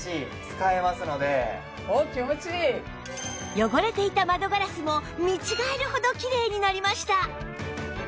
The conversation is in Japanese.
汚れていた窓ガラスも見違えるほどきれいになりました